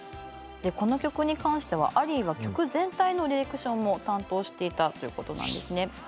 この曲に関してはアリーが曲全体のディレクションも担当していたということなんですね。